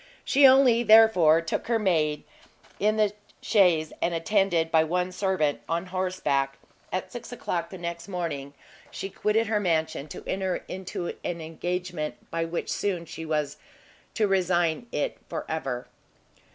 She only, therefore, took her maid in the chaise, and, attended by one servant on horseback, at six o'clock the next morning, she quitted her mansion, to enter into an engagement by which soon she was to resign it for ever.